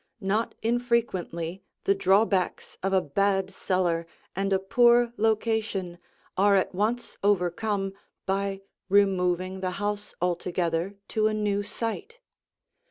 Not infrequently the drawbacks of a bad cellar and a poor location are at once overcome by removing the house altogether to a new site.